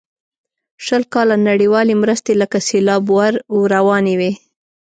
شل کاله نړیوالې مرستې لکه سیلاب ور روانې وې.